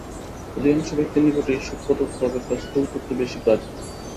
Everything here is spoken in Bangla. অধিকাংশ ব্যক্তির নিকটই সূক্ষ্ম তত্ত্ব অপেক্ষা স্থূল বস্তু বেশী গ্রাহ্য।